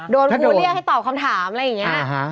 ครูเรียกให้ตอบคำถามอะไรอย่างนี้